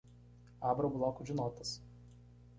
Abra o bloco de notas.